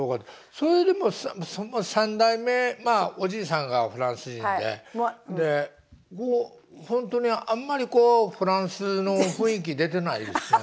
それでも３代目まあおじいさんがフランス人でで本当にあんまりこうフランスの雰囲気出てないですね。